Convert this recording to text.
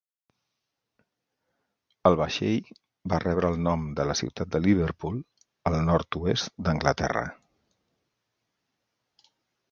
El vaixell va rebre el nom de la ciutat de Liverpool, al nord-oest d'Anglaterra.